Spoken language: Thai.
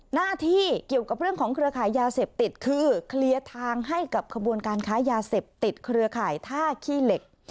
หน้าที่เกี่ยวกับเรื่องของเครือขายยาเสพติดคือเคลียร์ทางให้กับขบวนการค้ายาเสพติดเครือข่ายท่าขี้เหล็ก